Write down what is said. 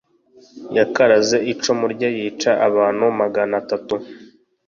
yakaraze icumu rye yica abantu magana atatu